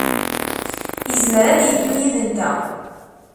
Yezmer ad yeddu yid-nteɣ.